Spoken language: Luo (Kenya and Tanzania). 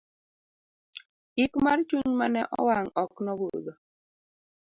ik mar chuny mane owang' ok nobudho